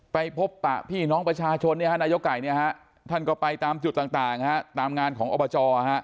ไปพบปะพี่น้องประชาชนนายกไก่ท่านก็ไปตามจุดต่างตามงานของอบจ